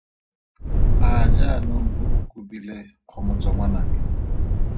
A jaanong o go kobile Kgomotso ngwanaka?